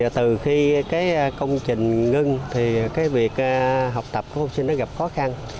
từ khi công trình ngưng thì việc học tập của học sinh gặp khó khăn